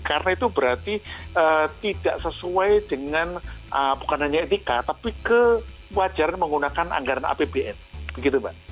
karena itu berarti tidak sesuai dengan bukan hanya etika tapi kewajaran menggunakan anggaran apbn begitu mbak